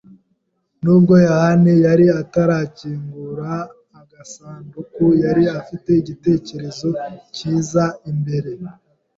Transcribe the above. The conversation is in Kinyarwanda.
Nubwo yohani yari atarakingura agasanduku, yari afite igitekerezo cyiza imbere.